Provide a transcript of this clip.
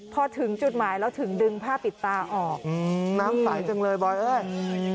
พอถึงจุดหมายแล้วถึงดึงผ้าปิดตาออกน้ำใสจังเลยบอยเอ้ย